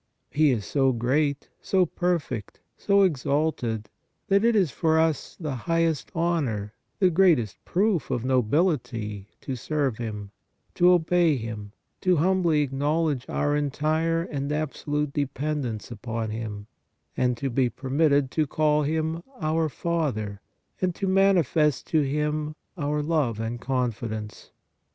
He is so great, so perfect, so exalted, that it is for 7 8 PRAYER us the highest honor, the greatest proof of nobility to serve Him, to obey Him, to humbly acknowledge our entire and absolute dependence upon Him, and to be permitted to call Him our Father and to mani fest to Him our love and confidence.